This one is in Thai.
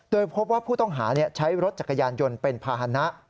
โดยพบว่าผู้ต้องหาใช้รถจักรยานยนต์เป็นภาษณะ